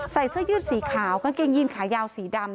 เสื้อยืดสีขาวกางเกงยีนขายาวสีดำ